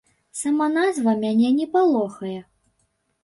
Сама назва мяне не палохае.